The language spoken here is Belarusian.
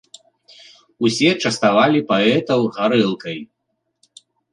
Усе частавалі паэтаў гарэлкай.